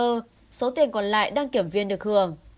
sau đó số tiền còn lại đăng kiểm viên được hưởng